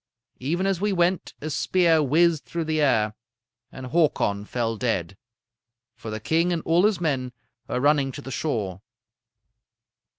Even as we went, a spear whizzed through the air, and Hakon fell dead; for the king and all his men were running to the shore.